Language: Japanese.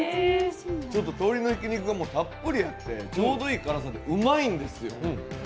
鶏のひき肉がたっぷり入ってちょうどいい辛さでうまいんですよ。